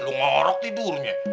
lu ngorok tidurnya